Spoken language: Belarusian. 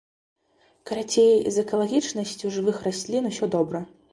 Карацей, з экалагічнасцю жывых раслін усё добра.